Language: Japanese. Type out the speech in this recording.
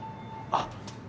あっ。